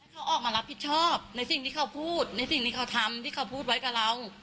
เขาออกมารับผิดชอบในสิ่งที่เขาพูดในสิ่งที่เขาทำที่เขาพูดไว้กับเรา